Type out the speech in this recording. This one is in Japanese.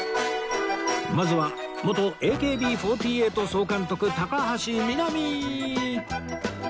まずは元 ＡＫＢ４８ 総監督高橋みなみ